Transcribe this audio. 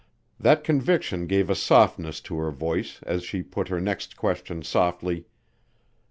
That conviction gave a softness to her voice as she put her next question softly.